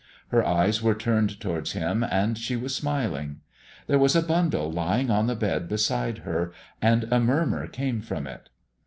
Her eyes were turned towards him and she was smiling. There was a bundle lying on the bed beside her and a murmur came from it.